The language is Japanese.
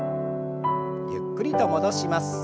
ゆっくりと戻します。